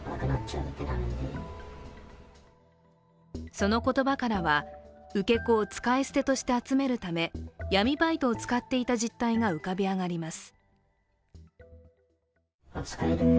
その言葉からは、受け子を使い捨てとして集めるため闇バイトを使っていた実態が浮かび上がります。